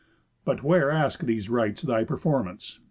But where Ask these rites thy performance?